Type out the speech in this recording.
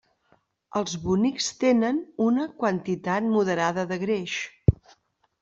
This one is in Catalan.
Els bonics tenen una quantitat moderada de greix.